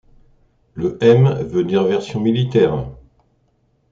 Le M veut dire version militaire.